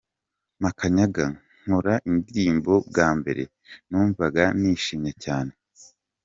Makanyaga: Nkora indirimbo bwa mbere numvaga nishimye cyane.